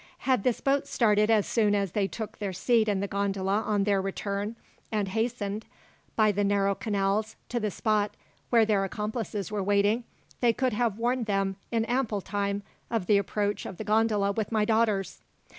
Had this boat started as soon as they took their seat in the gondola on their return, and hastened, by the narrow canals, to the spot where their accomplices were waiting, they could have warned them in ample time of the approach of the gondola with my daughters.